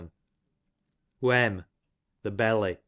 Wem, the belly.